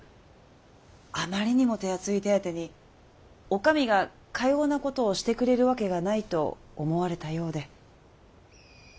あまりにも手厚い手当てに「お上がかようなことをしてくれるわけがない」と思われたようで。